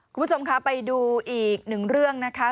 คุณผู้ชมค่ะไปดูอีกหนึ่งเรื่องนะคะ